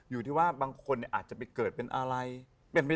อยู่ที่ว่าบางคนอาจจะเป็นเกิดเป็นส่วนหนัก